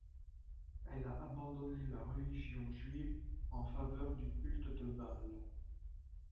Elle a abandonné la religion juive en faveur du culte de Baal.